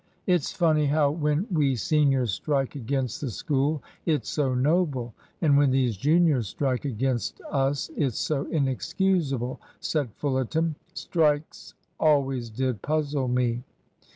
"It's funny how when we seniors strike against the School it's so noble, and when these juniors strike against us it's so inexcusable," said Fullerton. "Strikes always did puzzle me."